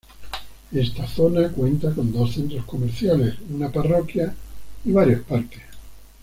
Esta zona cuenta con dos centros comerciales, una parroquia y varios parques.